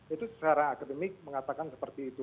itu secara akademik mengatakan seperti itu